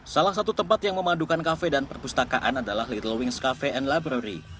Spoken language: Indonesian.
salah satu tempat yang memadukan cafe dan perpustakaan adalah little wings cafe and library